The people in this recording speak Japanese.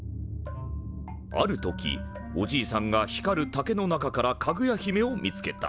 ある時おじいさんが光る竹の中からかぐや姫を見つけた。